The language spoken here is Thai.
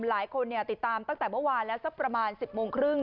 หลายคนติดตามตั้งแต่เมื่อวานแล้วสักประมาณ๑๐โมงครึ่ง